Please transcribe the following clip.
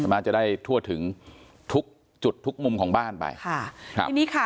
จะได้ทั่วถึงทุกจุดทุกมุมของบ้านไปค่ะครับทีนี้ค่ะ